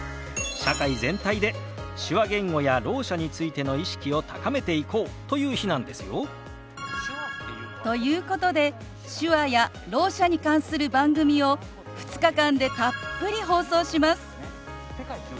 社会全体で手話言語やろう者についての意識を高めていこうという日なんですよ。ということで手話やろう者に関する番組を２日間でたっぷり放送します。